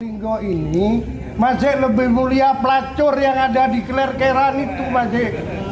probolinggo ini masih lebih mulia pelacur yang ada di klerkeran itu mas jek